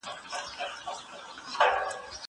زه کتابونه نه ليکم!!